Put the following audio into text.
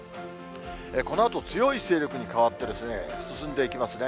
このあと強い勢力に変わって、進んでいきますね。